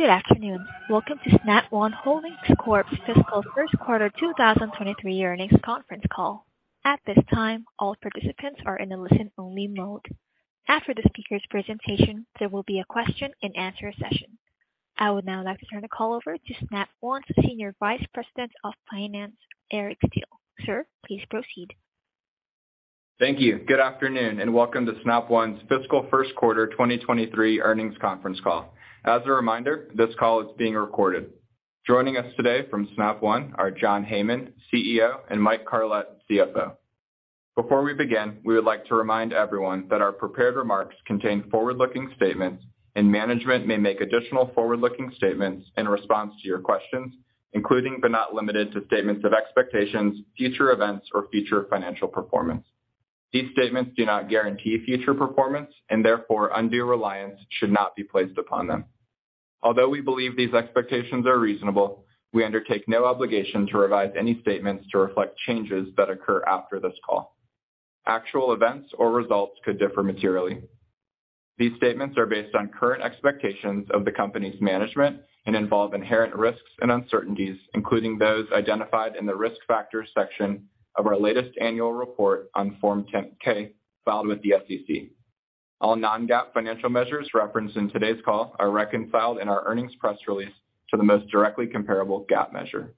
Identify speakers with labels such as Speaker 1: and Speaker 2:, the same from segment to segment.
Speaker 1: Good afternoon. Welcome to Snap One Holdings Corp's Fiscal First Quarter 2023 Earnings Conference Call. At this time, all participants are in a listen-only mode. After the speaker's presentation, there will be a question-and-answer session. I would now like to turn the call over to Snap One's Senior Vice President of Finance, Eric Steele. Sir, please proceed.
Speaker 2: Thank you. Good afternoon, welcome to Snap One's Fiscal First Quarter 2023 Earnings Conference Call. As a reminder, this call is being recorded. Joining us today from Snap One are John Heyman, CEO, and Mike Carlet, CFO. Before we begin, we would like to remind everyone that our prepared remarks contain forward-looking statements and management may make additional forward-looking statements in response to your questions, including but not limited to statements of expectations, future events, or future financial performance. These statements do not guarantee future performance and therefore, undue reliance should not be placed upon them. Although we believe these expectations are reasonable, we undertake no obligation to revise any statements to reflect changes that occur after this call. Actual events or results could differ materially. These statements are based on current expectations of the company's management and involve inherent risks and uncertainties, including those identified in the Risk Factors section of our latest annual report on form 10-K filed with the SEC. All non-GAAP financial measures referenced in today's call are reconciled in our earnings press release to the most directly comparable GAAP measure.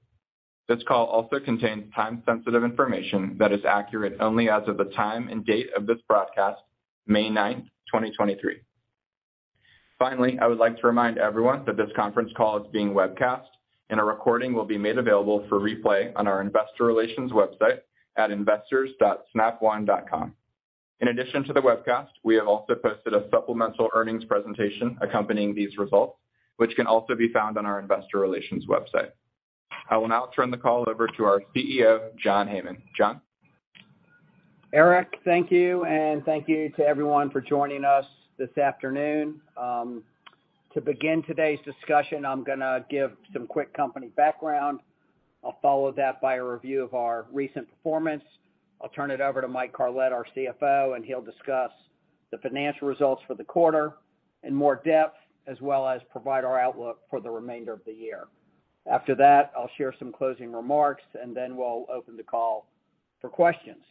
Speaker 2: This call also contains time-sensitive information that is accurate only as of the time and date of this broadcast, May ninth, 2023. Finally, I would like to remind everyone that this conference call is being webcast and a recording will be made available for replay on our investor relations website at investors.snapone.com. In addition to the webcast, we have also posted a supplemental earnings presentation accompanying these results, which can also be found on our investor relations website. I will now turn the call over to our CEO, John Heyman. John?
Speaker 3: Eric, thank you. Thank you to everyone for joining us this afternoon. To begin today's discussion, I'm gonna give some quick company background. I'll follow that by a review of our recent performance. I'll turn it over to Mike Carlet, our CFO, and he'll discuss the financial results for the quarter in more depth, as well as provide our outlook for the remainder of the year. After that, I'll share some closing remarks, and then we'll open the call for questions.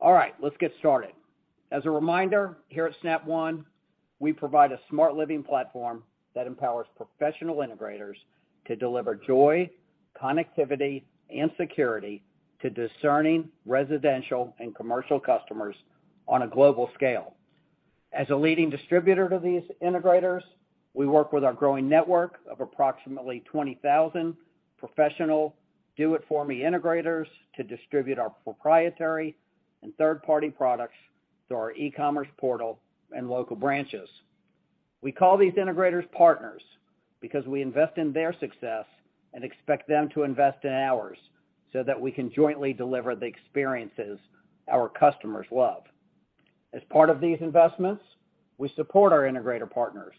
Speaker 3: All right, let's get started. As a reminder, here at Snap One, we provide a smart living platform that empowers professional integrators to deliver joy, connectivity, and security to discerning residential and commercial customers on a global scale. As a leading distributor to these integrators, we work with our growing network of approximately 20,000 professional do-it-for-me integrators to distribute our proprietary and third-party products through our e-commerce portal and local branches. We call these integrators partners because we invest in their success and expect them to invest in ours so that we can jointly deliver the experiences our customers love. As part of these investments, we support our integrator partners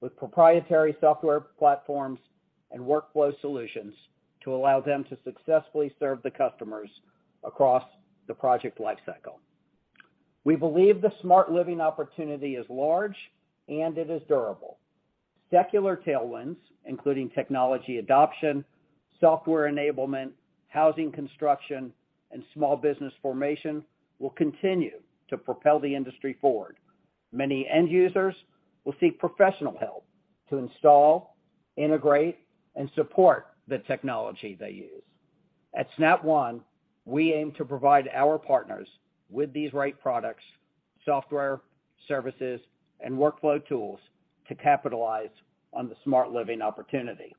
Speaker 3: with proprietary software platforms and workflow solutions to allow them to successfully serve the customers across the project lifecycle. We believe the smart living opportunity is large, and it is durable. Secular tailwinds, including technology adoption, software enablement, housing construction, and small business formation, will continue to propel the industry forward. Many end users will seek professional help to install, integrate, and support the technology they use. At Snap One, we aim to provide our partners with these right products, software, services, and workflow tools to capitalize on the smart living opportunity.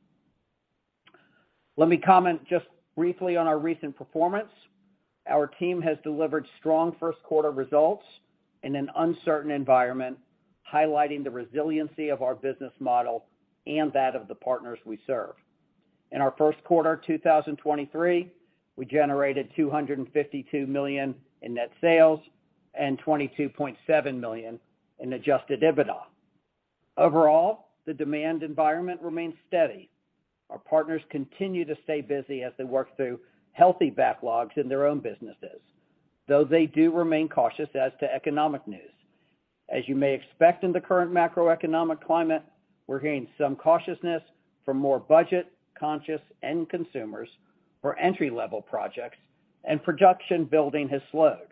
Speaker 3: Let me comment just briefly on our recent performance. Our team has delivered strong first quarter results in an uncertain environment, highlighting the resiliency of our business model and that of the partners we serve. In our first quarter 2023, we generated $252 million in net sales and $22.7 million in Adjusted EBITDA. Overall, the demand environment remains steady. Our partners continue to stay busy as they work through healthy backlogs in their own businesses, though they do remain cautious as to economic news. As you may expect in the current macroeconomic climate, we're hearing some cautiousness from more budget-conscious end consumers for entry-level projects, and production building has slowed.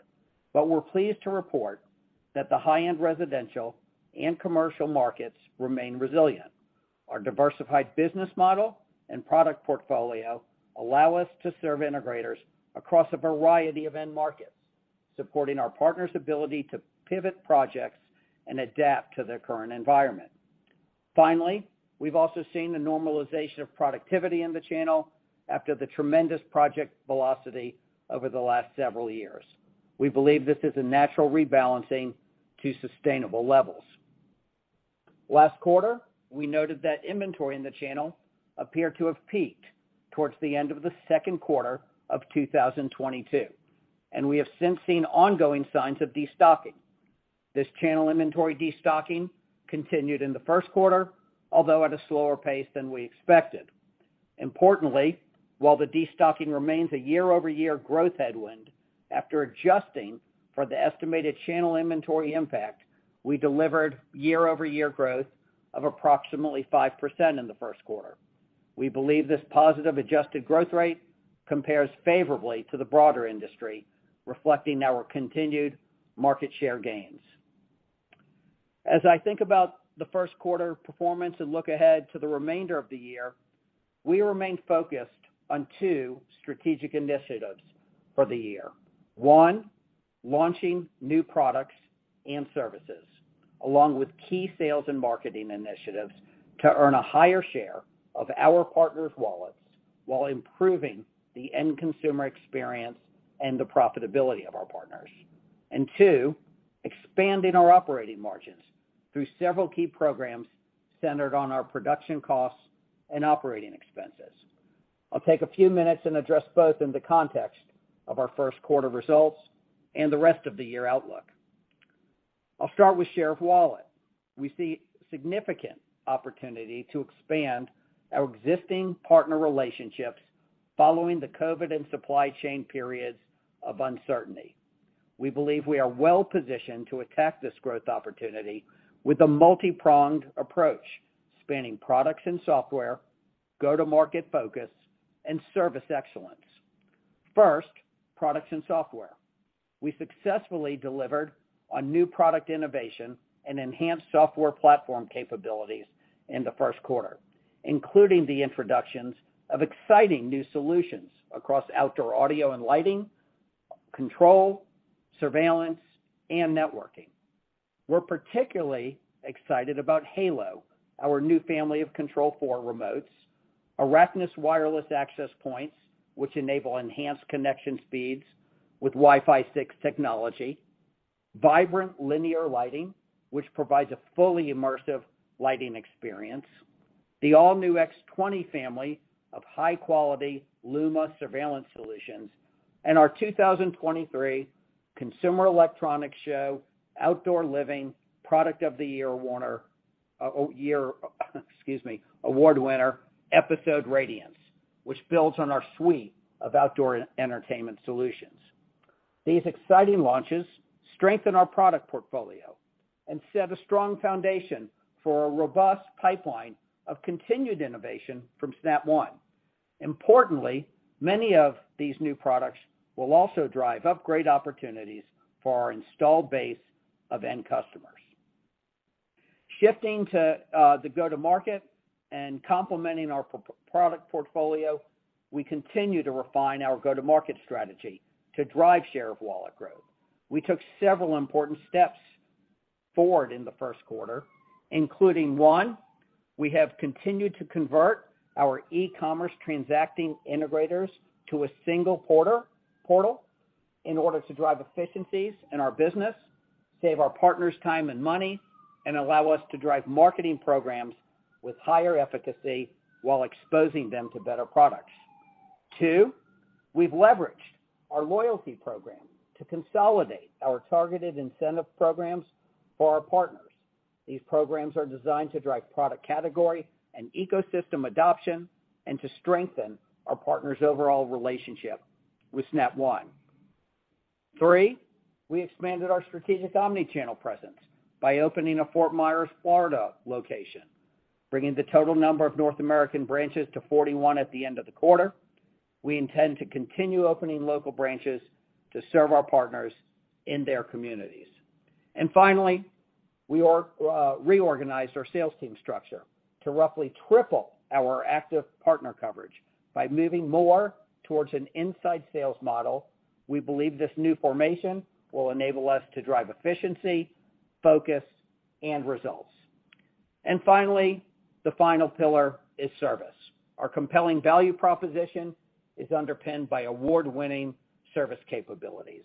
Speaker 3: We're pleased to report that the high-end residential and commercial markets remain resilient. Our diversified business model and product portfolio allow us to serve integrators across a variety of end markets, supporting our partners' ability to pivot projects and adapt to their current environment. Finally, we've also seen the normalization of productivity in the channel after the tremendous project velocity over the last several years. We believe this is a natural rebalancing to sustainable levels. Last quarter, we noted that inventory in the channel appeared to have peaked towards the end of the second quarter of 2022, and we have since seen ongoing signs of destocking. This channel inventory destocking continued in the first quarter, although at a slower pace than we expected. Importantly, while the destocking remains a year-over-year growth headwind, after adjusting for the estimated channel inventory impact, we delivered year-over-year growth of approximately 5% in the first quarter. We believe this positive adjusted growth rate compares favorably to the broader industry, reflecting our continued market share gains. As I think about the first quarter performance and look ahead to the remainder of the year, we remain focused on two strategic initiatives for the year. One, launching new products and services, along with key sales and marketing initiatives to earn a higher share of our partners' wallets while improving the end consumer experience and the profitability of our partners. Two, expanding our operating margins through several key programs centered on our production costs and operating expenses. I'll take a few minutes and address both in the context of our first quarter results and the rest of the year outlook. I'll start with share of wallet. We see significant opportunity to expand our existing partner relationships following the COVID and supply chain periods of uncertainty. We believe we are well-positioned to attack this growth opportunity with a multipronged approach, spanning products and software, go-to-market focus, and service excellence. First, products and software. We successfully delivered on new product innovation and enhanced software platform capabilities in the first quarter, including the introductions of exciting new solutions across outdoor audio and lighting, control, surveillance, and networking. We're particularly excited about Halo, our new family of Control4 remotes, Araknis wireless access points, which enable enhanced connection speeds with Wi-Fi 6 technology, Vibrant Linear Lighting, which provides a fully immersive lighting experience, the all-new x20 family of high-quality Luma surveillance solutions, and our 2023 Consumer Electronics Show Outdoor Living Product of the Year Award winner, Episode Radiance, which builds on our suite of outdoor entertainment solutions. These exciting launches strengthen our product portfolio and set a strong foundation for a robust pipeline of continued innovation from Snap One. Importantly, many of these new products will also drive upgrade opportunities for our installed base of end customers. Shifting to the go-to-market and complementing our product portfolio, we continue to refine our go-to-market strategy to drive share of wallet growth. We took several important steps forward in the first quarter, including, one, we have continued to convert our e-commerce transacting integrators to a single portal in order to drive efficiencies in our business, save our partners time and money, and allow us to drive marketing programs with higher efficacy while exposing them to better products. 2, we've leveraged our loyalty program to consolidate our targeted incentive programs for our partners. These programs are designed to drive product category and ecosystem adoption, and to strengthen our partners' overall relationship with Snap One. 3, we expanded our strategic omni-channel presence by opening a Fort Myers, Florida, location, bringing the total number of North American branches to 41 at the end of the quarter. We intend to continue opening local branches to serve our partners in their communities. Finally, we reorganized our sales team structure to roughly triple our active partner coverage by moving more towards an inside sales model. We believe this new formation will enable us to drive efficiency, focus, and results. Finally, the final pillar is service. Our compelling value proposition is underpinned by award-winning service capabilities.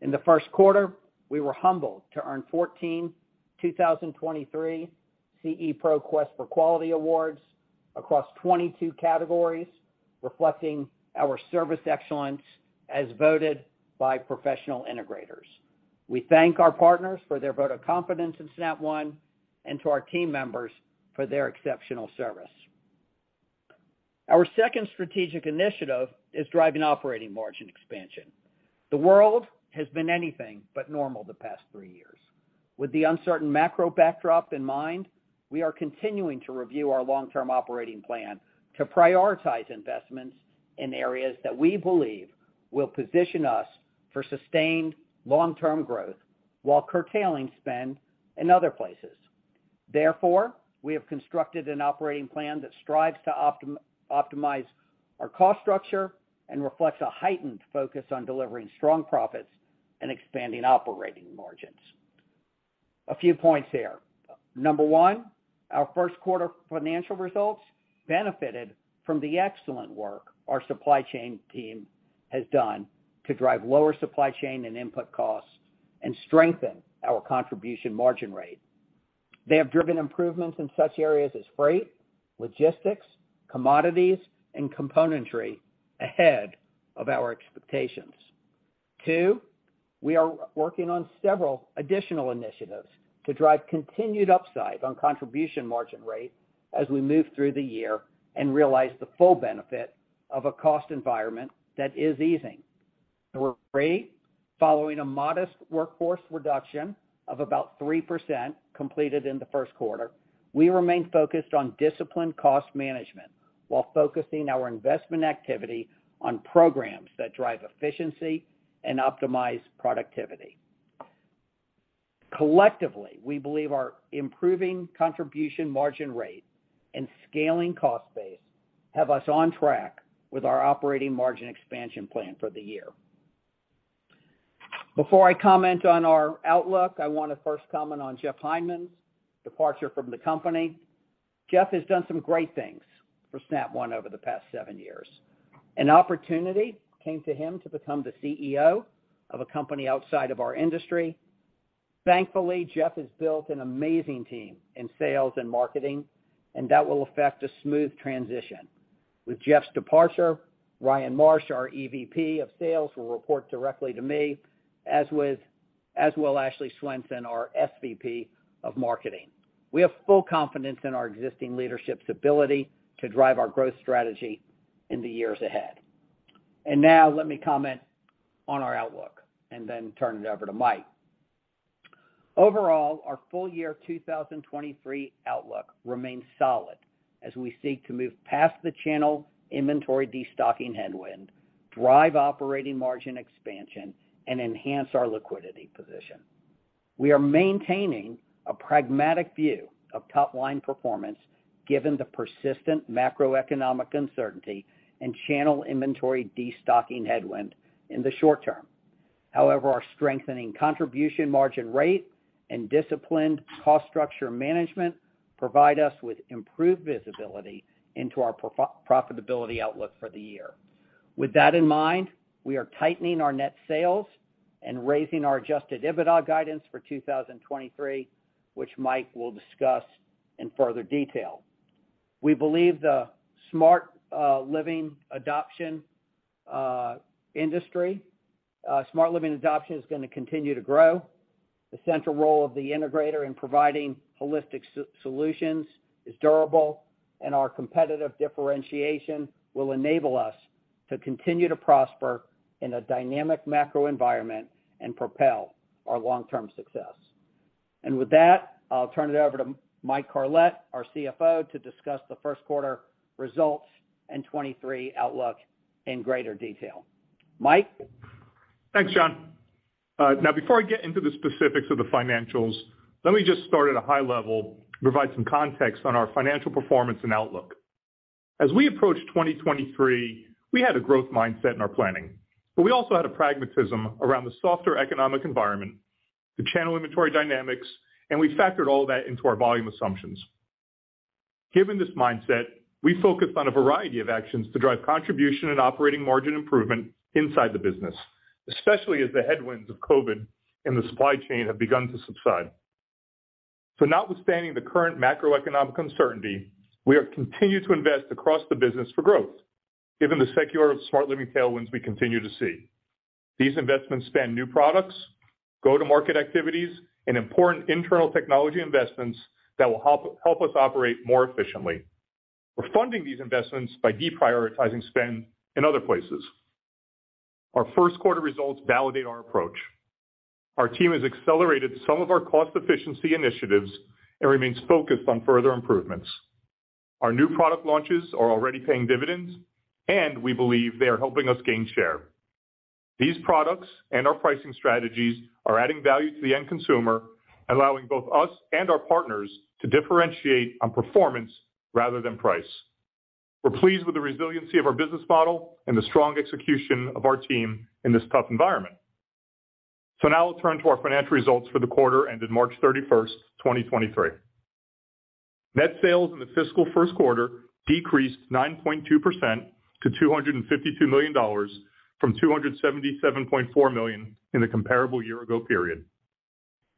Speaker 3: In the first quarter, we were humbled to earn 14 2023 CE Pro Quest for Quality Awards across 22 categories, reflecting our service excellence as voted by professional integrators. We thank our partners for their vote of confidence in Snap One, and to our team members for their exceptional service. Our second strategic initiative is driving operating margin expansion. The world has been anything but normal the past three years. With the uncertain macro backdrop in mind, we are continuing to review our long-term operating plan to prioritize investments in areas that we believe will position us for sustained long-term growth while curtailing spend in other places. We have constructed an operating plan that strives to optimize our cost structure and reflects a heightened focus on delivering strong profits and expanding operating margins. A few points here. Number one, our first quarter financial results benefited from the excellent work our supply chain team has done to drive lower supply chain and input costs and strengthen our contribution margin rate. They have driven improvements in such areas as freight, logistics, commodities, and componentry ahead of our expectations. Two, we are working on several additional initiatives to drive continued upside on contribution margin rate as we move through the year and realize the full benefit of a cost environment that is easing. Number 3, following a modest workforce reduction of about 3% completed in the first quarter, we remain focused on disciplined cost management while focusing our investment activity on programs that drive efficiency and optimize productivity. Collectively, we believe our improving contribution margin rate and scaling cost base have us on track with our operating margin expansion plan for the year. Before I comment on our outlook, I wanna first comment on Jeff Hindman's departure from the company. Jeff has done some great things for Snap One over the past 7 years. An opportunity came to him to become the CEO of a company outside of our industry. Thankfully, Jeff has built an amazing team in sales and marketing, and that will affect a smooth transition. With Jeff's departure, Ryan Marsh, our EVP of Sales, will report directly to me, as well Ashley Swanson, our SVP of Marketing. We have full confidence in our existing leadership's ability to drive our growth strategy in the years ahead. Now let me comment on our outlook and then turn it over to Mike. Overall, our full year 2023 outlook remains solid as we seek to move past the channel inventory destocking headwind, drive operating margin expansion, and enhance our liquidity position. We are maintaining a pragmatic view of top-line performance given the persistent macroeconomic uncertainty and channel inventory destocking headwind in the short term. However, our strengthening contribution margin rate and disciplined cost structure management provide us with improved visibility into our profitability outlook for the year. With that in mind, we are tightening our net sales and raising our Adjusted EBITDA guidance for 2023, which Mike will discuss in further detail. We believe the smart living adoption is gonna continue to grow. The central role of the integrator in providing holistic solutions is durable, our competitive differentiation will enable us to continue to prosper in a dynamic macro environment and propel our long-term success. With that, I'll turn it over to Mike Carlet, our CFO, to discuss the first quarter results and 23 outlook in greater detail. Mike?
Speaker 4: Thanks, John. Before I get into the specifics of the financials, let me just start at a high level and provide some context on our financial performance and outlook. As we approach 2023, we had a growth mindset in our planning, but we also had a pragmatism around the softer economic environment, the channel inventory dynamics, and we factored all that into our volume assumptions. Given this mindset, we focused on a variety of actions to drive contribution and operating margin improvement inside the business, especially as the headwinds of COVID and the supply chain have begun to subside. Notwithstanding the current macroeconomic uncertainty, we have continued to invest across the business for growth given the secular of smart living tailwinds we continue to see. These investments span new products, go-to-market activities, and important internal technology investments that will help us operate more efficiently. We're funding these investments by deprioritizing spend in other places. Our first quarter results validate our approach. Our team has accelerated some of our cost efficiency initiatives and remains focused on further improvements. Our new product launches are already paying dividends, and we believe they are helping us gain share. These products and our pricing strategies are adding value to the end consumer, allowing both us and our partners to differentiate on performance rather than price. We're pleased with the resiliency of our business model and the strong execution of our team in this tough environment. Now I'll turn to our financial results for the quarter ended March 31st, 2023. Net sales in the fiscal first quarter decreased 9.2% to $252 million from $277.4 million in the comparable year ago period.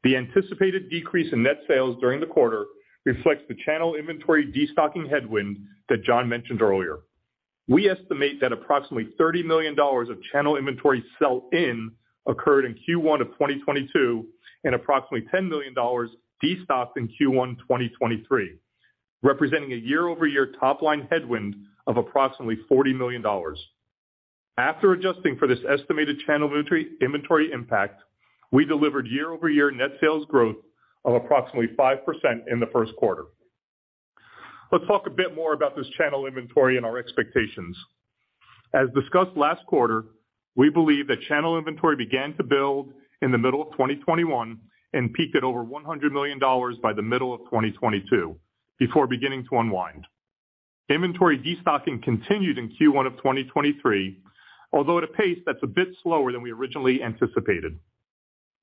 Speaker 4: The anticipated decrease in net sales during the quarter reflects the channel inventory destocking headwind that John mentioned earlier. We estimate that approximately $30 million of channel inventory sell in occurred in Q1 of 2022 and approximately $10 million destocked in Q1 2023, representing a year-over-year top line headwind of approximately $40 million. After adjusting for this estimated channel inventory impact, we delivered year-over-year net sales growth of approximately 5% in the first quarter. Let's talk a bit more about this channel inventory and our expectations. As discussed last quarter, we believe that channel inventory began to build in the middle of 2021 and peaked at over $100 million by the middle of 2022 before beginning to unwind. Inventory destocking continued in Q1 of 2023, although at a pace that's a bit slower than we originally anticipated.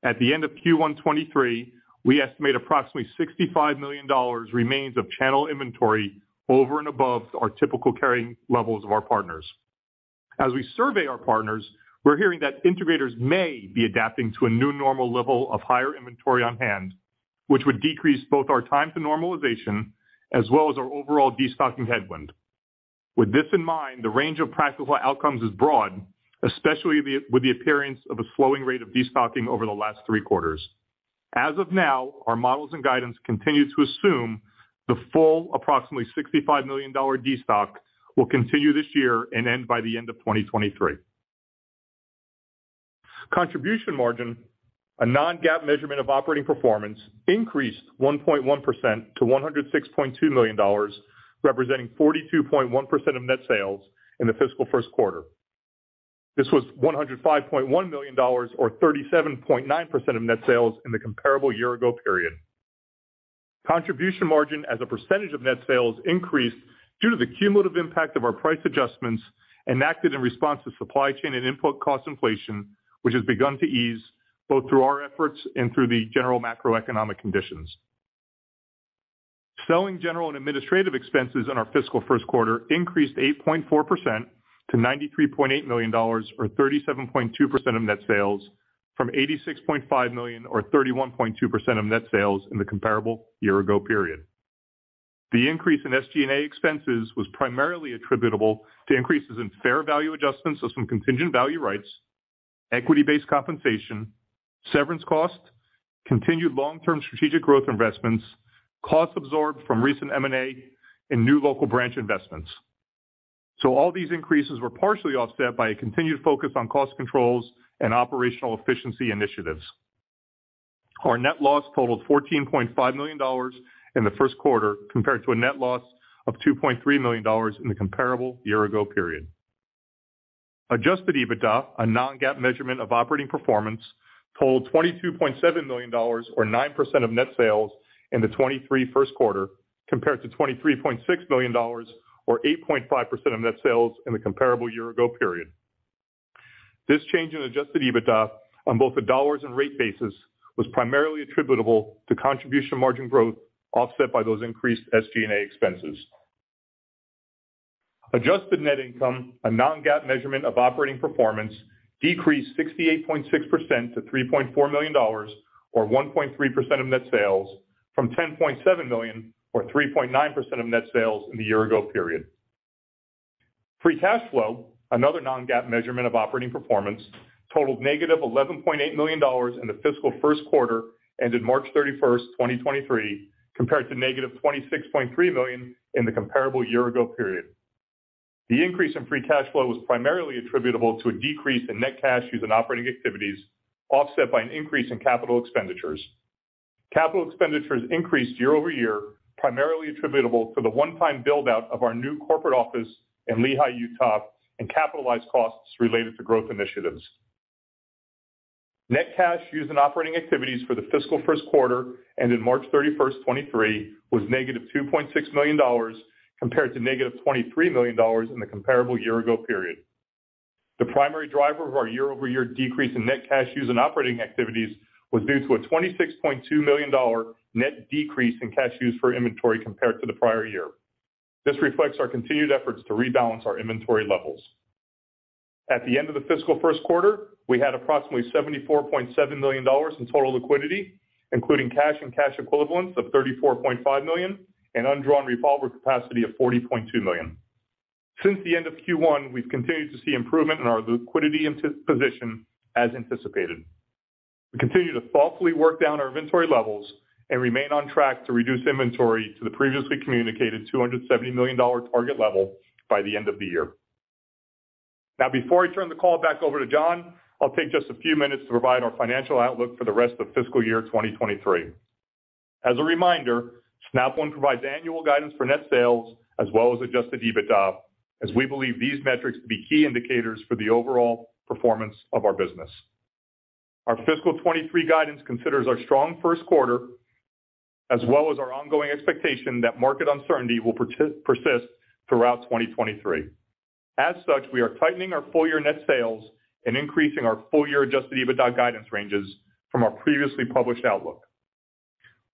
Speaker 4: At the end of Q1 2023, we estimate approximately $65 million remains of channel inventory over and above our typical carrying levels of our partners. As we survey our partners, we're hearing that integrators may be adapting to a new normal level of higher inventory on hand, which would decrease both our time to normalization as well as our overall destocking headwind. With this in mind, the range of practical outcomes is broad, especially with the appearance of a slowing rate of destocking over the last three quarters. As of now, our models and guidance continue to assume the full approximately $65 million destock will continue this year and end by the end of 2023. Contribution margin, a non-GAAP measurement of operating performance, increased 1.1% to $106.2 million, representing 42.1% of net sales in the fiscal first quarter. This was $105.1 million or 37.9% of net sales in the comparable year ago period. Contribution margin as a percentage of net sales increased due to the cumulative impact of our price adjustments enacted in response to supply chain and input cost inflation, which has begun to ease both through our efforts and through the general macroeconomic conditions. Selling, general, and administrative expenses in our fiscal first quarter increased 8.4% to $93.8 million or 37.2% of net sales from $86.5 million or 31.2% of net sales in the comparable year ago period. The increase in SG&A expenses was primarily attributable to increases in fair value adjustments of some contingent value rights, equity-based compensation, severance costs, continued long-term strategic growth investments, costs absorbed from recent M&A, and new local branch investments. All these increases were partially offset by a continued focus on cost controls and operational efficiency initiatives. Our net loss totaled $14.5 million in the first quarter compared to a net loss of $2.3 million in the comparable year-ago period. Adjusted EBITDA, a non-GAAP measurement of operating performance, totaled $22.7 million or 9% of net sales in the 2023 first quarter compared to $23.6 million or 8.5% of net sales in the comparable year-ago period. This change in Adjusted EBITDA on both a $ and rate basis was primarily attributable to contribution margin growth offset by those increased SG&A expenses. Adjusted net income, a non-GAAP measurement of operating performance, decreased 68.6% to $3.4 million or 1.3% of net sales from $10.7 million or 3.9% of net sales in the year-ago period. Free cash flow, another non-GAAP measurement of operating performance, totaled negative $11.8 million in the fiscal first quarter ended March 31, 2023 compared to negative $26.3 million in the comparable year-ago period. The increase in free cash flow was primarily attributable to a decrease in net cash used in operating activities offset by an increase in capital expenditures. Capital expenditures increased year-over-year, primarily attributable to the one-time build-out of our new corporate office in Lehi, Utah, and capitalized costs related to growth initiatives. Net cash used in operating activities for the fiscal first quarter ended March 31st, 2023 was negative $2.6 million compared to negative $23 million in the comparable year ago period. The primary driver of our year-over-year decrease in net cash used in operating activities was due to a $26.2 million net decrease in cash used for inventory compared to the prior year. This reflects our continued efforts to rebalance our inventory levels. At the end of the fiscal first quarter, we had approximately $74.7 million in total liquidity, including cash and cash equivalents of $34.5 million and undrawn revolver capacity of $40.2 million. Since the end of Q1, we've continued to see improvement in our liquidity position as anticipated. We continue to thoughtfully work down our inventory levels and remain on track to reduce inventory to the previously communicated $270 million target level by the end of the year. Before I turn the call back over to John, I'll take just a few minutes to provide our financial outlook for the rest of fiscal year 2023. As a reminder, Snap One provides annual guidance for net sales as well as Adjusted EBITDA, as we believe these metrics to be key indicators for the overall performance of our business. Our fiscal 2023 guidance considers our strong first quarter as well as our ongoing expectation that market uncertainty will persist throughout 2023. As such, we are tightening our full year net sales and increasing our full year Adjusted EBITDA guidance ranges from our previously published outlook.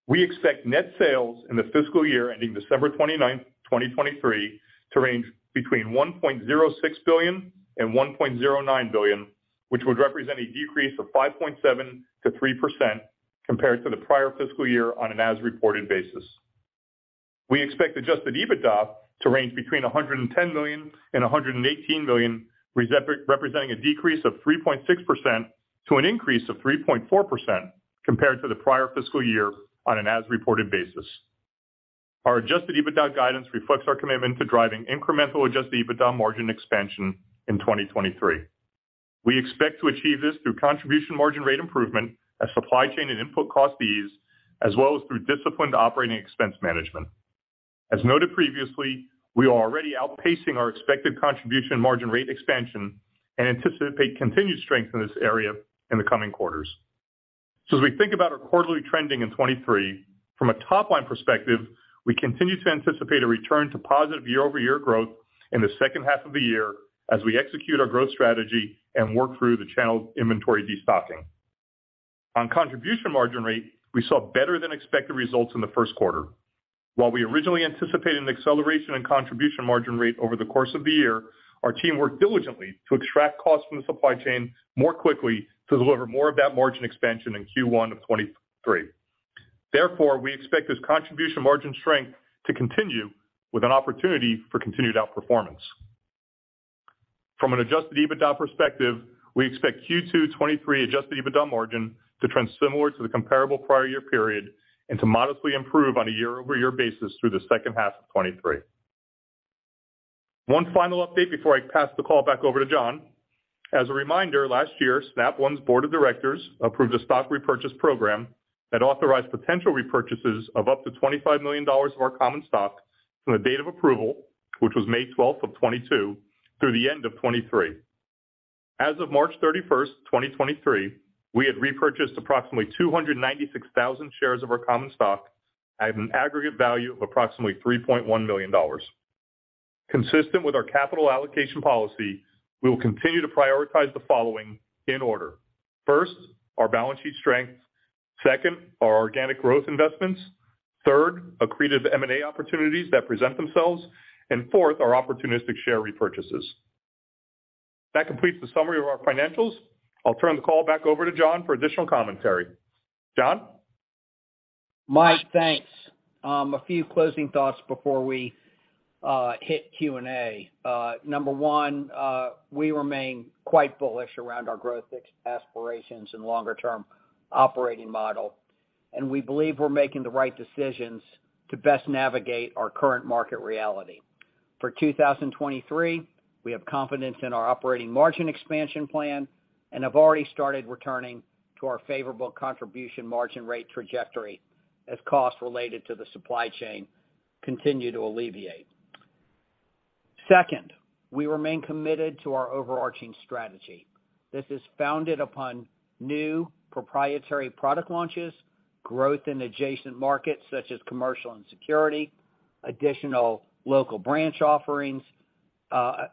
Speaker 4: We expect net sales in the fiscal year ending December 29th, 2023 to range between $1.06 billion and $1.09 billion, which would represent a decrease of 5.7%-3% compared to the prior fiscal year on an as-reported basis. We expect Adjusted EBITDA to range between $110 million and $118 million, representing a decrease of -3.6% to an increase of 3.4% compared to the prior fiscal year on an as-reported basis. Our Adjusted EBITDA guidance reflects our commitment to driving incremental Adjusted EBITDA margin expansion in 2023. We expect to achieve this through contribution margin rate improvement as supply chain and input costs ease, as well as through disciplined operating expense management. As noted previously, we are already outpacing our expected contribution margin rate expansion and anticipate continued strength in this area in the coming quarters. As we think about our quarterly trending in 23, from a top-line perspective, we continue to anticipate a return to positive year-over-year growth in the second half of the year as we execute our growth strategy and work through the channel inventory destocking. On contribution margin rate, we saw better than expected results in the first quarter. While we originally anticipated an acceleration in contribution margin rate over the course of the year, our team worked diligently to extract costs from the supply chain more quickly to deliver more of that margin expansion in Q1 of 2023. We expect this contribution margin strength to continue with an opportunity for continued outperformance. From an Adjusted EBITDA perspective, we expect Q2 2023 Adjusted EBITDA margin to trend similar to the comparable prior year period and to modestly improve on a year-over-year basis through the second half of 2023. One final update before I pass the call back over to John. As a reminder, last year, Snap One's board of directors approved a stock repurchase program that authorized potential repurchases of up to $25 million of our common stock from the date of approval, which was May 12th of 2022, through the end of 2023. As of March 31, 2023, we had repurchased approximately 296,000 shares of our common stock at an aggregate value of approximately $3.1 million. Consistent with our capital allocation policy, we will continue to prioritize the following in order. First, our balance sheet strength. Second, our organic growth investments. Third, accretive M&A opportunities that present themselves. Fourth, our opportunistic share repurchases. That completes the summary of our financials. I'll turn the call back over to John for additional commentary. John?
Speaker 3: Mike, thanks. A few closing thoughts before we hit Q&A. Number one, we remain quite bullish around our growth aspirations and longer-term operating model, and we believe we're making the right decisions to best navigate our current market reality. For 2023, we have confidence in our operating margin expansion plan and have already started returning to our favorable contribution margin rate trajectory as costs related to the supply chain continue to alleviate. Second, we remain committed to our overarching strategy. This is founded upon new proprietary product launches, growth in adjacent markets such as commercial and security, additional local branch offerings,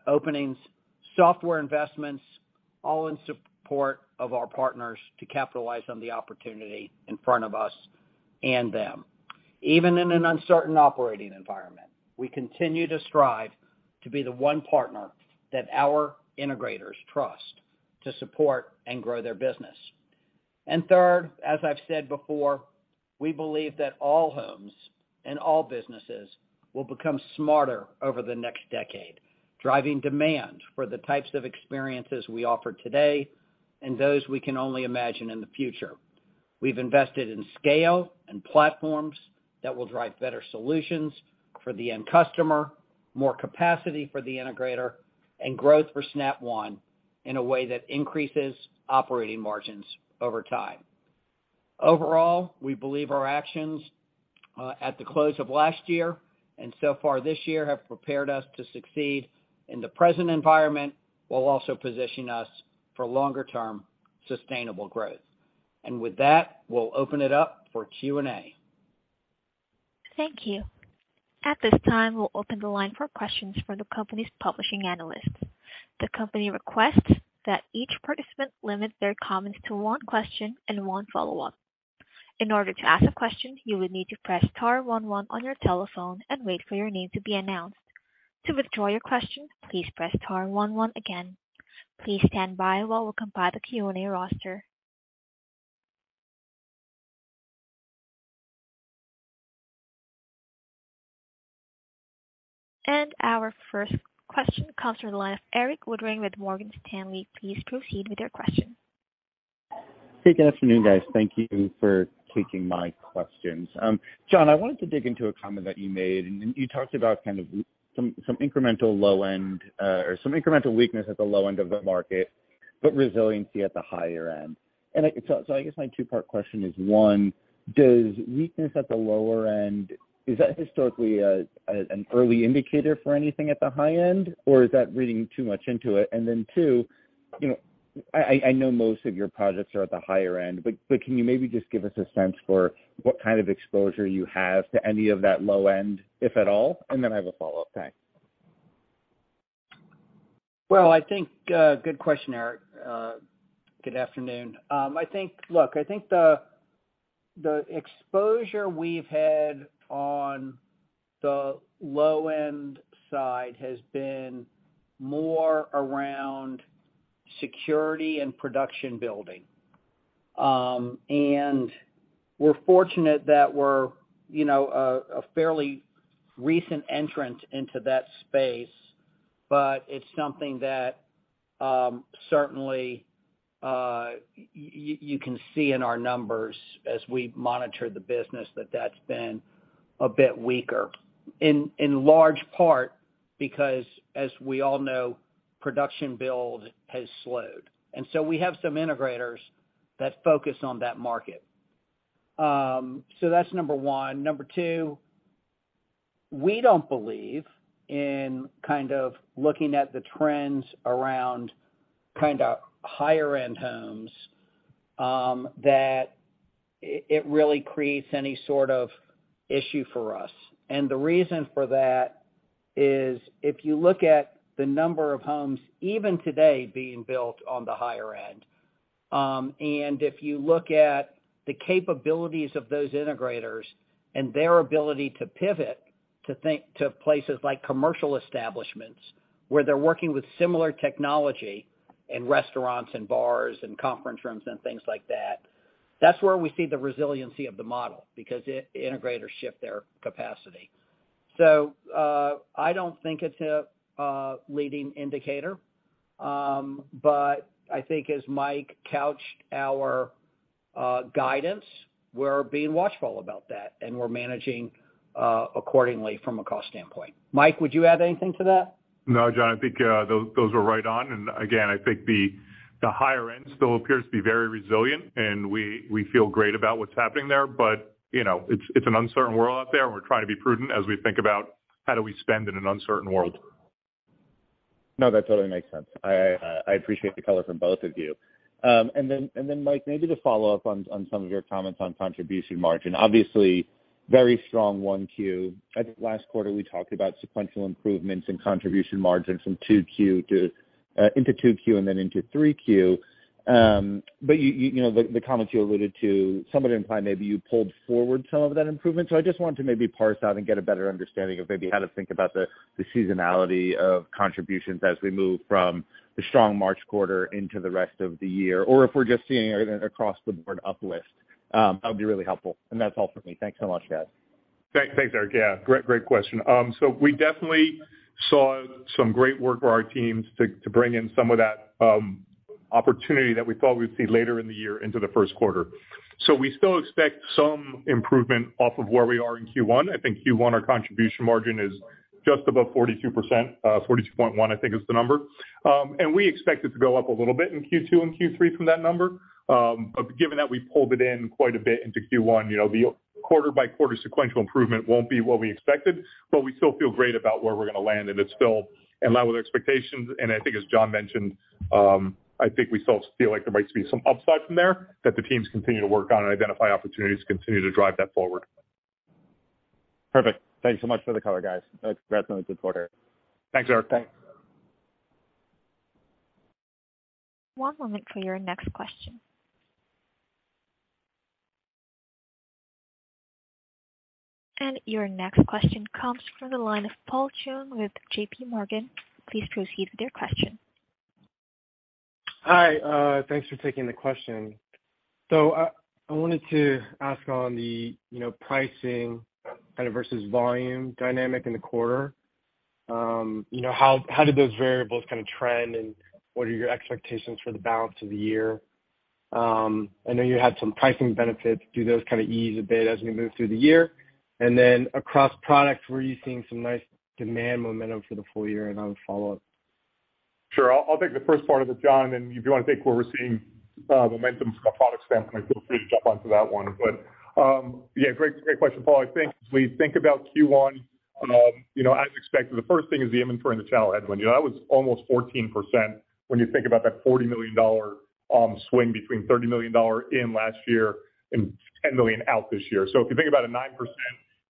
Speaker 3: openings, software investments, all in support of our partners to capitalize on the opportunity in front of us and them. Even in an uncertain operating environment, we continue to strive to be the one partner that our integrators trust to support and grow their business. Third, as I've said before, we believe that all homes and all businesses will become smarter over the next decade, driving demand for the types of experiences we offer today and those we can only imagine in the future. We've invested in scale and platforms that will drive better solutions for the end customer, more capacity for the integrator, and growth for Snap One in a way that increases operating margins over time. Overall, we believe our actions at the close of last year and so far this year have prepared us to succeed in the present environment, while also positioning us for longer-term sustainable growth. With that, we'll open it up for Q&A.
Speaker 1: Thank you. At this time, we'll open the line for questions from the company's publishing analysts. The company requests that each participant limit their comments to one question and one follow-up. In order to ask a question, you will need to press star one one on your telephone and wait for your name to be announced. To withdraw your question, please press star one one again. Please stand by while we compile the Q&A roster. Our first question comes from the line of Erik Woodring with Morgan Stanley. Please proceed with your question.
Speaker 5: Hey, good afternoon, guys. Thank you for taking my questions. John, I wanted to dig into a comment that you made, and you talked about kind of some incremental low end, or some incremental weakness at the low end of the market, but resiliency at the higher end. I guess my two-part question is, one, does weakness at the lower end, is that historically an early indicator for anything at the high end, or is that reading too much into it? Then two, you know, I know most of your projects are at the higher end, but can you maybe just give us a sense for what kind of exposure you have to any of that low end, if at all? Then I have a follow-up. Thanks.
Speaker 3: Well, I think, good question, Eric. Good afternoon. I think. Look, I think the exposure we've had on the low-end side has been more around security and production building. We're fortunate that we're, you know, a fairly recent entrant into that space, but it's something that, certainly, you can see in our numbers as we monitor the business that that's been a bit weaker, in large part because, as we all know, production build has slowed. We have some integrators that focus on that market. That's number one. Number two, we don't believe in kind of looking at the trends around kind of higher-end homes, that it really creates any sort of issue for us. The reason for that is if you look at the number of homes even today being built on the higher end, and if you look at the capabilities of those integrators and their ability to pivot to places like commercial establishments, where they're working with similar technology in restaurants, and bars, and conference rooms, and things like that. That's where we see the resiliency of the model because the integrators shift their capacity. I don't think it's a leading indicator. I think as Mike couched our guidance, we're being watchful about that, and we're managing accordingly from a cost standpoint. Mike, would you add anything to that?
Speaker 4: No, John, I think those are right on. Again, I think the higher end still appears to be very resilient, and we feel great about what's happening there. You know, it's an uncertain world out there, and we're trying to be prudent as we think about how do we spend in an uncertain world.
Speaker 5: No, that totally makes sense. I appreciate the color from both of you. Mike, maybe to follow up on some of your comments on contribution margin. Obviously, very strong one Q. I think last quarter we talked about sequential improvements in contribution margins from two Q into two Q and then into three Q. You know, the comments you alluded to somewhat imply maybe you pulled forward some of that improvement. I just wanted to maybe parse out and get a better understanding of maybe how to think about the seasonality of contributions as we move from the strong March quarter into the rest of the year, or if we're just seeing it across the board uplift. That would be really helpful. That's all for me. Thanks so much, guys.
Speaker 4: Thanks, Eric. Yeah, great question. We definitely saw some great work by our teams to bring in some of that opportunity that we thought we'd see later in the year into the first quarter. We still expect some improvement off of where we are in Q1. I think Q1, our contribution margin is just above 42%, 42.1, I think is the number. We expect it to go up a little bit in Q2 and Q3 from that number. Given that we pulled it in quite a bit into Q1, you know, the quarter-by-quarter sequential improvement won't be what we expected, but we still feel great about where we're gonna land, and it's still in line with expectations. I think as John mentioned, I think we still feel like there might be some upside from there that the teams continue to work on and identify opportunities to continue to drive that forward.
Speaker 5: Perfect. Thanks so much for the color, guys. Congrats on the good quarter.
Speaker 4: Thanks, Erik.
Speaker 3: Thanks.
Speaker 1: One moment for your next question. Your next question comes from the line of Paul Chung with JPMorgan. Please proceed with your question.
Speaker 6: Hi, thanks for taking the question. I wanted to ask on the, you know, pricing kind of versus volume dynamic in the quarter. You know, how did those variables kind of trend, and what are your expectations for the balance of the year? I know you had some pricing benefits. Do those kind of ease a bit as we move through the year? Across products, were you seeing some nice demand momentum for the full year? I'll follow up.
Speaker 4: Sure. I'll take the first part of it, John, and if you wanna take where we're seeing momentum from a product standpoint, feel free to jump onto that one. Yeah, great question, Paul. I think as we think about Q1, you know, as expected, the first thing is the inventory and the channel headwind. You know, that was almost 14% when you think about that $40 million swing between $30 million in last year and $10 million out this year. If you think about a 9%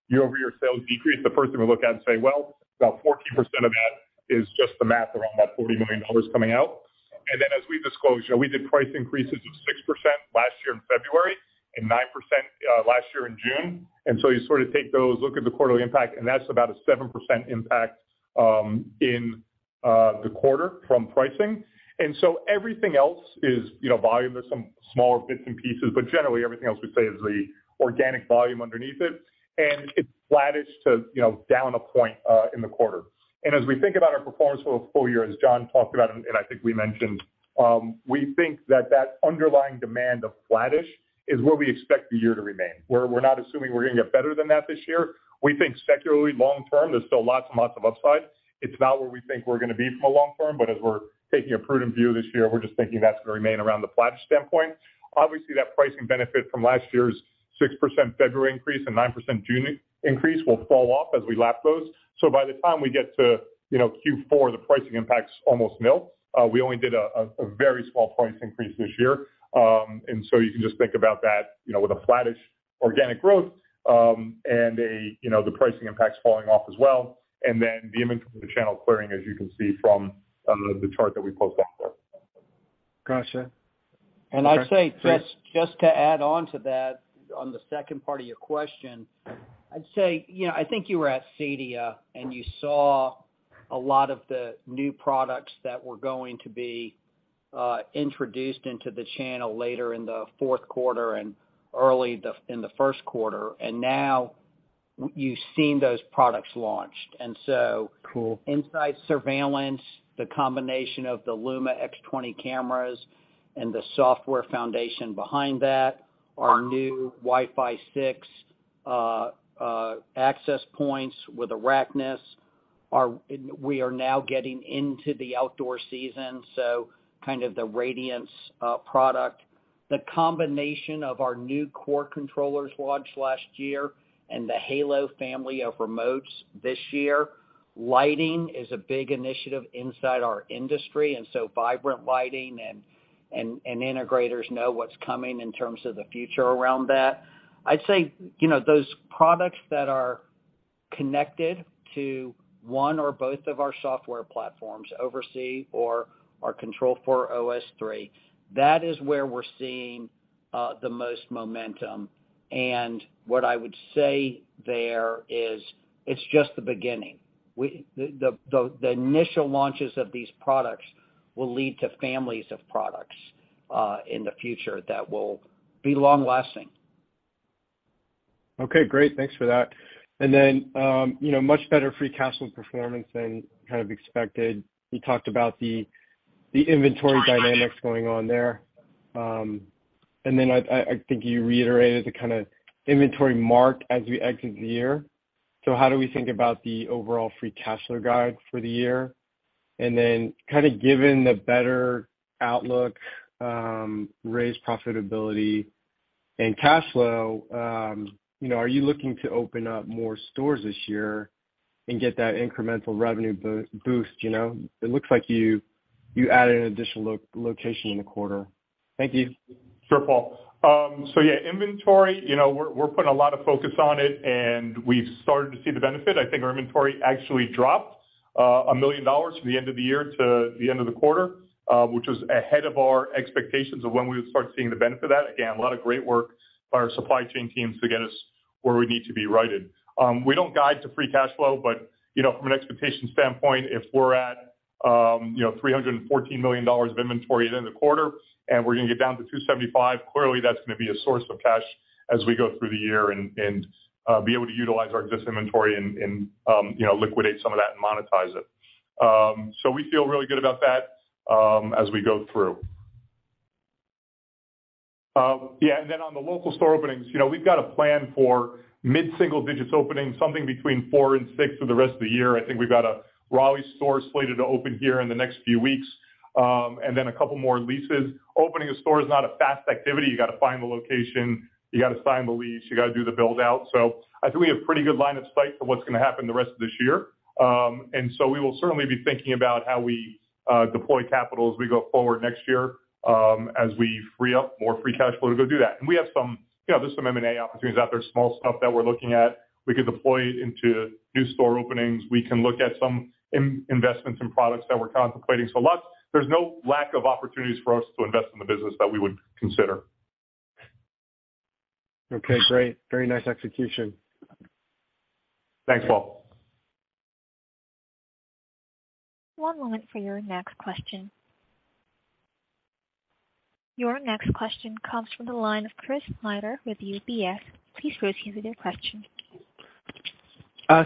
Speaker 4: year-over-year sales decrease, the first thing we look at and say, well, about 14% of that is just the math around that $40 million coming out. As we disclosed, you know, we did price increases of 6% last year in February and 9% last year in June. You sort of take those, look at the quarterly impact, and that's about a 7% impact in the quarter from pricing. Everything else is, you know, volume. There's some smaller bits and pieces, but generally everything else we say is the organic volume underneath it, and it's flattish to, you know, down a point in the quarter. As we think about our performance for the full year, as John talked about and, I think we mentioned, we think that that underlying demand of flattish is where we expect the year to remain, where we're not assuming we're gonna get better than that this year. We think secularly long term, there's still lots and lots of upside. It's not where we think we're gonna be from a long term. As we're taking a prudent view this year, we're just thinking that's gonna remain around the flattish standpoint. Obviously, that pricing benefit from last year's 6% February increase and 9% June increase will fall off as we lap those. By the time we get to, you know, Q4, the pricing impact's almost nil. We only did a very small price increase this year. You can just think about that, you know, with a flattish organic growth, and a, you know, the pricing impact's falling off as well, and then the inventory, the channel clearing, as you can see from the chart that we posted before.
Speaker 6: Gotcha.
Speaker 3: I'd say just to add on to that on the second part of your question, I'd say, you know, I think you were at CEDIA, and you saw a lot of the new products that were going to be introduced into the channel later in the fourth quarter and early in the first quarter. Now you've seen those products launched.
Speaker 6: Cool.
Speaker 3: Inside surveillance, the combination of the Luma x20 cameras and the software foundation behind that. Our new Wi-Fi 6 access points with Araknis, we are now getting into the outdoor season, so kind of the Radiance product. The combination of our new core controllers launched last year and the Halo family of remotes this year. Lighting is a big initiative inside our industry, and so Vibrant lighting and integrators know what's coming in terms of the future around that. I'd say, you know, those products that are connected to one or both of our software platforms, OvrC or our Control4 OS 3, that is where we're seeing the most momentum. What I would say there is it's just the beginning. The initial launches of these products will lead to families of products in the future that will be long-lasting.
Speaker 6: Okay, great. Thanks for that. You know, much better free cash flow performance than kind of expected. You talked about the inventory dynamics going on there. I think you reiterated the kind of inventory mark as we exit the year. How do we think about the overall free cash flow guide for the year? Kind of given the better outlook, raise profitability and cash flow, you know, are you looking to open up more stores this year and get that incremental revenue boost, you know? It looks like you added an additional location in the quarter. Thank you.
Speaker 4: Sure, Paul. Yeah, inventory, you know, we're putting a lot of focus on it, and we've started to see the benefit. I think our inventory actually dropped, $1 million from the end of the year to the end of the quarter, which was ahead of our expectations of when we would start seeing the benefit of that. Again, a lot of great work by our supply chain teams to get us where we need to be righted. We don't guide to free cash flow, but, you know, from an expectation standpoint, if we're at, you know, $314 million of inventory at the end of the quarter, and we're gonna get down to $275 million, clearly that's gonna be a source of cash as we go through the year and be able to utilize our existing inventory and, you know, liquidate some of that and monetize it. We feel really good about that as we go through. On the local store openings, you know, we've got a plan for mid-single digits opening, something between 4 and 6 for the rest of the year. I think we've got a Raleigh store slated to open here in the next few weeks and then a couple more leases. Opening a store is not a fast activity. You gotta find the location, you gotta sign the lease, you gotta do the build-out. I think we have pretty good line of sight for what's gonna happen the rest of this year. We will certainly be thinking about how we deploy capital as we go forward next year, as we free up more free cash flow to go do that. You know, there's some M&A opportunities out there, small stuff that we're looking at. We could deploy into new store openings. We can look at some investments and products that we're contemplating. There's no lack of opportunities for us to invest in the business that we would consider.
Speaker 6: Okay, great. Very nice execution.
Speaker 4: Thanks, Paul.
Speaker 1: One moment for your next question. Your next question comes from the line of Chris Snyder with UBS. Please proceed with your question.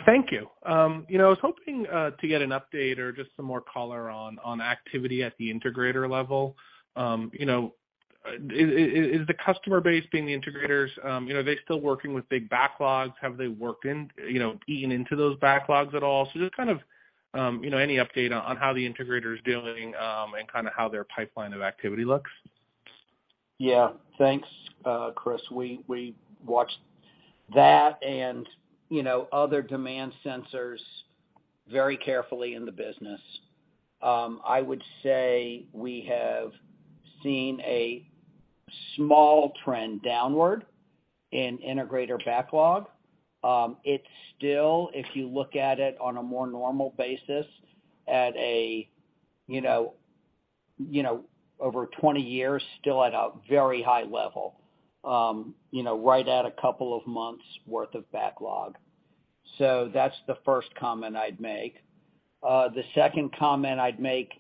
Speaker 7: Thank you. You know, I was hoping to get an update or just some more color on activity at the integrator level. You know, is the customer base being the integrators, you know, are they still working with big backlogs? Have they worked in, you know, eaten into those backlogs at all? Just kind of, you know, any update on how the integrator is doing, and kinda how their pipeline of activity looks.
Speaker 3: Yeah. Thanks, Chris. We watched that and, you know, other demand sensors very carefully in the business. I would say we have seen a small trend downward in integrator backlog. It's still, if you look at it on a more normal basis at a, you know, over 20 years, still at a very high level, you know, right at 2 months worth of backlog. That's the first comment I'd make. The second comment I'd make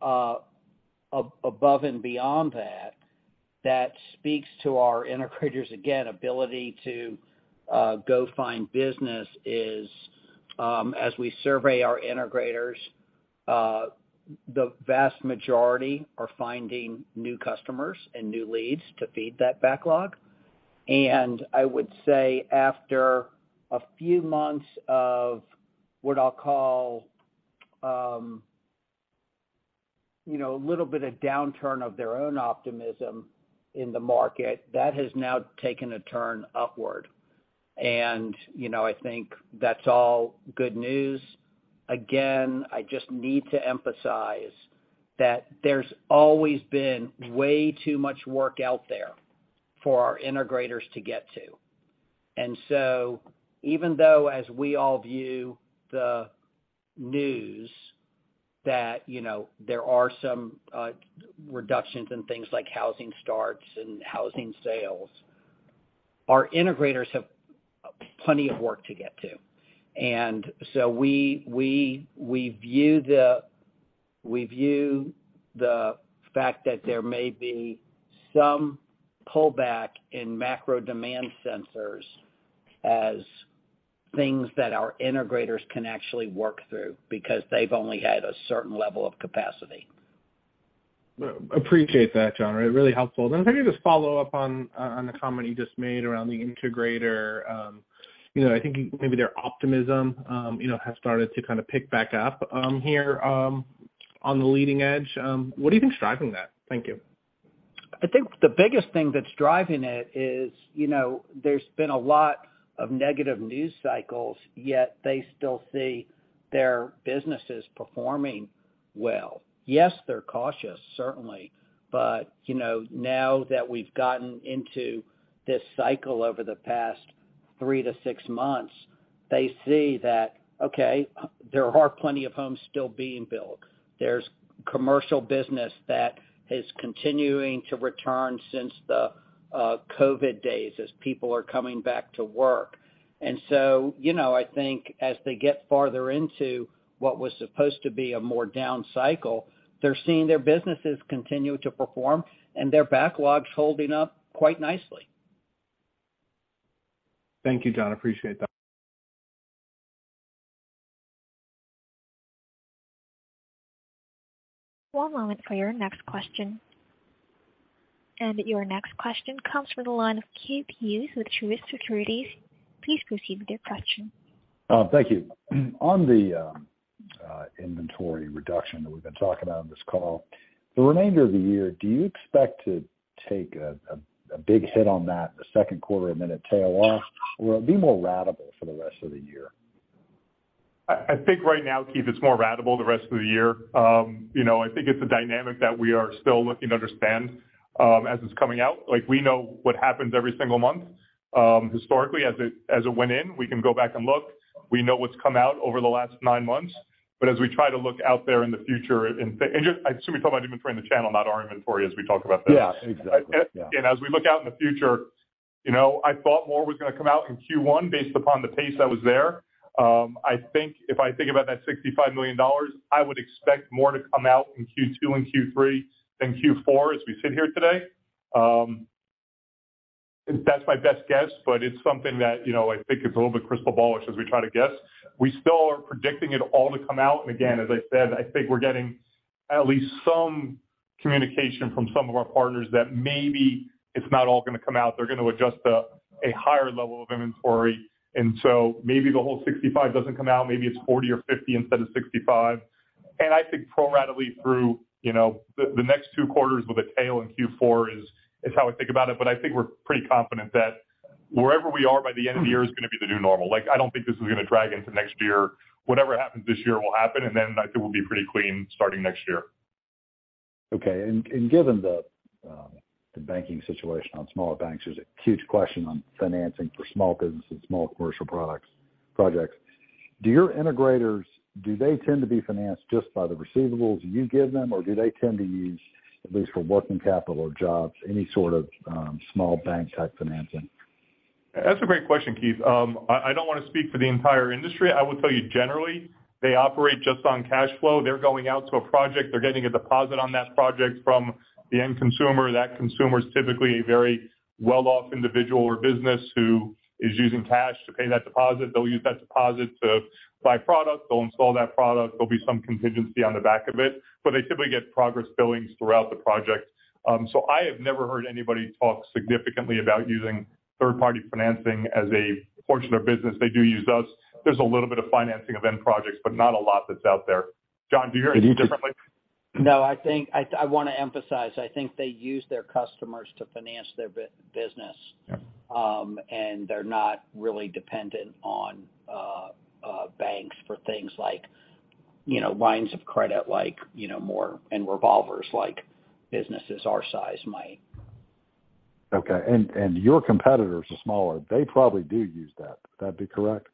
Speaker 3: above and beyond that speaks to our integrators, again, ability to go find business is, as we survey our integrators, the vast majority are finding new customers and new leads to feed that backlog. I would say after a few months of what I'll call, you know, a little bit of downturn of their own optimism in the market, that has now taken a turn upward. You know, I think that's all good news. Again, I just need to emphasize that there's always been way too much work out there for our integrators to get to. So even though as we all view the news that, you know, there are some reductions in things like housing starts and housing sales, our integrators have plenty of work to get to. So we view the fact that there may be some pullback in macro demand sensors as things that our integrators can actually work through because they've only had a certain level of capacity.
Speaker 7: Appreciate that, John. It really helpful. If I can just follow up on the comment you just made around the integrator, you know, I think maybe their optimism, you know, has started to kind of pick back up here on the leading edge. What do you think is driving that? Thank you.
Speaker 3: I think the biggest thing that's driving it is, you know, there's been a lot of negative news cycles, yet they still see their businesses performing well. Yes, they're cautious, certainly. You know, now that we've gotten into this cycle over the past 3-6 months. They see that, okay, there are plenty of homes still being built. There's commercial business that is continuing to return since the COVID days as people are coming back to work. You know, I think as they get farther into what was supposed to be a more down cycle, they're seeing their businesses continue to perform and their backlogs holding up quite nicely.
Speaker 7: Thank you, John. Appreciate that.
Speaker 1: One moment for your next question. Your next question comes from the line of Keith Hughes with Truist Securities. Please proceed with your question.
Speaker 8: Thank you. On the inventory reduction that we've been talking about on this call, the remainder of the year, do you expect to take a big hit on that the second quarter and then it tail off? It'll be more ratable for the rest of the year?
Speaker 4: I think right now, Keith, it's more ratable the rest of the year. You know, I think it's a dynamic that we are still looking to understand, as it's coming out. Like, we know what happens every single month, historically as it went in, we can go back and look. We know what's come out over the last nine months. As we try to look out there in the future and just, I assume you're talking about inventory in the channel, not our inventory as we talk about this.
Speaker 8: Yeah, exactly.
Speaker 4: As we look out in the future, you know, I thought more was gonna come out in Q1 based upon the pace that was there. I think if I think about that $65 million, I would expect more to come out in Q2 and Q3 than Q4 as we sit here today. That's my best guess, but it's something that, you know, I think is a little bit crystal ball-ish as we try to guess. We still are predicting it all to come out. Again, as I said, I think we're getting at least some communication from some of our partners that maybe it's not all gonna come out. They're gonna adjust up a higher level of inventory. Maybe the whole 65 doesn't come out, maybe it's 40 or 50 instead of 65. I think prorately through, you know, the next two quarters with a tail in Q4 is how I think about it. I think we're pretty confident that wherever we are by the end of the year is gonna be the new normal. Like, I don't think this is gonna drag into next year. Whatever happens this year will happen. I think we'll be pretty clean starting next year.
Speaker 8: Okay. Given the banking situation on smaller banks, there's a huge question on financing for small business and small commercial projects. Do your integrators, do they tend to be financed just by the receivables you give them? Or do they tend to use, at least for working capital or jobs, any sort of, small bank-type financing?
Speaker 4: That's a great question, Keith. I don't wanna speak for the entire industry. I will tell you, generally, they operate just on cash flow. They're going out to a project. They're getting a deposit on that project from the end consumer. That consumer is typically a very well-off individual or business who is using cash to pay that deposit. They'll use that deposit to buy product. They'll install that product. There'll be some contingency on the back of it. They typically get progress billings throughout the project. I have never heard anybody talk significantly about using third-party financing as a portion of business. They do use us. There's a little bit of financing of end projects, but not a lot that's out there. John, do you hear any differently?
Speaker 3: No, I wanna emphasize, I think they use their customers to finance their business.
Speaker 8: Yeah.
Speaker 3: They're not really dependent on banks for things like, you know, lines of credit, like, you know, more in revolvers like businesses our size might.
Speaker 8: Okay. Your competitors are smaller. They probably do use that. Would that be correct?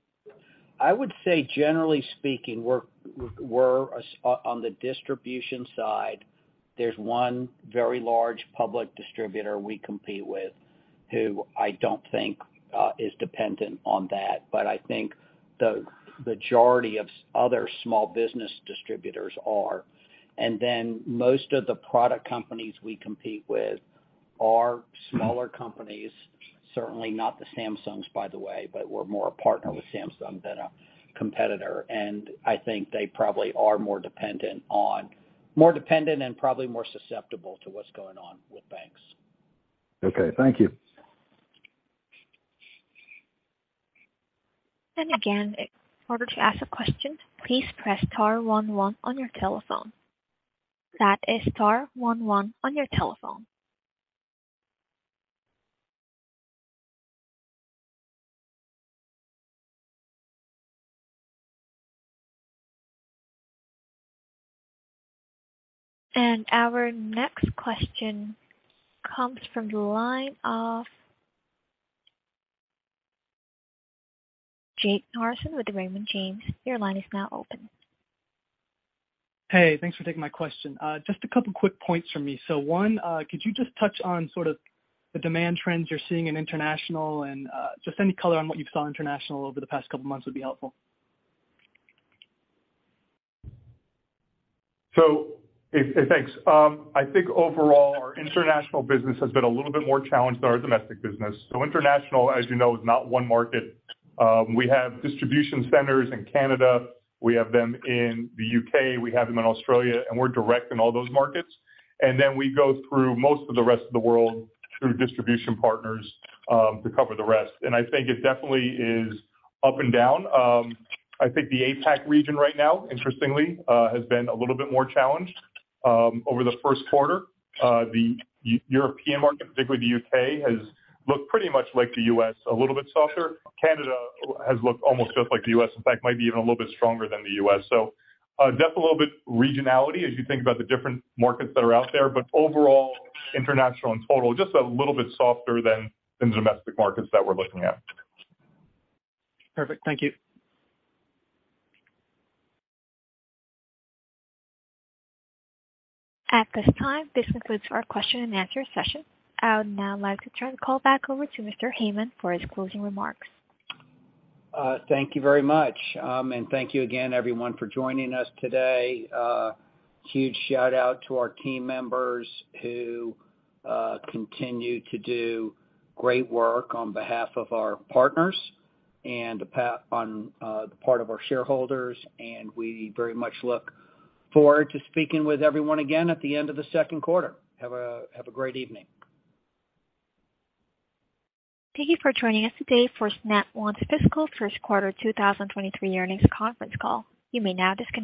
Speaker 3: I would say, generally speaking, we're on the distribution side, there's one very large public distributor we compete with who I don't think is dependent on that, but I think the majority of other small business distributors are. Then most of the product companies we compete with are smaller companies, certainly not the Samsungs, by the way, but we're more a partner with Samsung than a competitor. I think they probably are more dependent on... More dependent and probably more susceptible to what's going on with banks.
Speaker 8: Okay, thank you.
Speaker 1: Again, in order to ask a question, please press star 11 on your telephone. That is star 11 on your telephone. Our next question comes from the line of Jake Harrison with the Raymond James. Your line is now open.
Speaker 9: Hey, thanks for taking my question. Just a couple quick points from me. One, could you just touch on sort of the demand trends you're seeing in international and, just any color on what you saw international over the past couple months would be helpful.
Speaker 4: Hey, hey, thanks. I think overall, our international business has been a little bit more challenged than our domestic business. International, as you know, is not one market. We have distribution centers in Canada, we have them in the U.K., we have them in Australia, and we're direct in all those markets. We go through most of the rest of the world through distribution partners to cover the rest. I think it definitely is up and down. I think the APAC region right now, interestingly, has been a little bit more challenged over the first quarter. The European market, particularly the U.K., has looked pretty much like the U.S., a little bit softer. Canada has looked almost just like the U.S., in fact, might be even a little bit stronger than the U.S. Definitely a little bit regionality as you think about the different markets that are out there. Overall, international in total, just a little bit softer than the domestic markets that we're looking at.
Speaker 9: Perfect. Thank you.
Speaker 1: At this time, this concludes our question and answer session. I would now like to turn the call back over to Mr. Heyman for his closing remarks.
Speaker 3: Thank you very much. Thank you again everyone for joining us today. Huge shout out to our team members who continue to do great work on behalf of our partners and on the part of our shareholders, we very much look forward to speaking with everyone again at the end of the second quarter. Have a great evening.
Speaker 1: Thank you for joining us today for Snap One's Fiscal First Quarter 2023 earnings conference call. You may now disconnect.